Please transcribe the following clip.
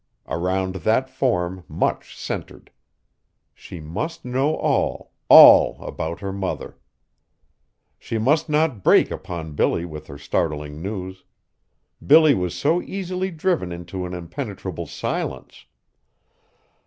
Around that form much centred! She must know all all, about her mother. She must not break upon Billy with her startling news. Billy was so easily driven into an impenetrable silence!